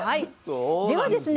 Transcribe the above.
ではですね